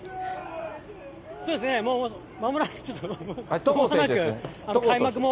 そうですね、もうまもなく、ちょっと、まもなく開幕も。